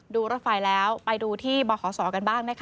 ดูรถไฟแล้วไปดูที่บขกันบ้าง